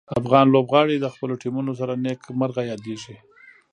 افغان لوبغاړي د خپلو ټیمونو سره نیک مرغه یادیږي.